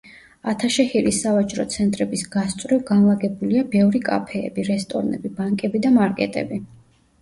ათაშეჰირის სავაჭრო ცენტრების გასწვრივ განლაგებულია ბევრი კაფეები, რესტორნები, ბანკები და მარკეტები.